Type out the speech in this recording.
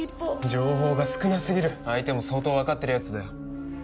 情報が少な過ぎる相手も相当分かってるヤツだよ。